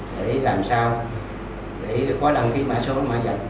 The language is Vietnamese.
để làm sao để có đăng ký mã số mã vạch